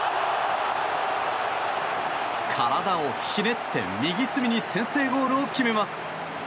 体をひねって右隅に先制ゴールを決めます。